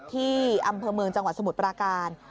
ที่อำเภอเมืองจังหวัดสมุทรปราการ